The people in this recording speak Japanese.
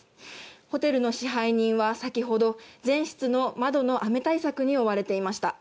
ホテルの支配人は、先ほど全室の窓の雨対策に追われていました。